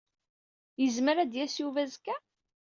Yezmer ad d-yas Yuba azekka?